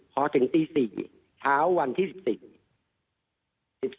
พอถึงตี๔เช้าวันที่๑๔